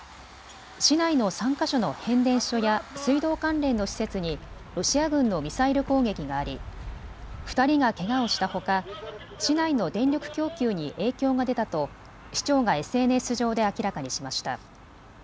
市内の３か所の変電所や水道関連の施設にロシア軍のミサイル攻撃があり２人がけがをしたほか市内の電力供給に影響が出たと市長がＳＮＳ上で明らかにしました。